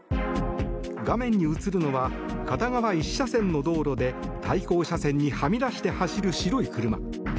画面に映るのは片側１車線の道路で対向車線にはみ出して走る白い車。